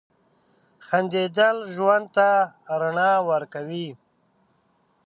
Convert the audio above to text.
• خندېدل ژوند ته رڼا ورکوي.